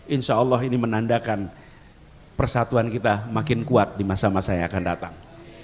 insya allah ini menandakan persatuan kita makin kuat di masa masa yang akan datang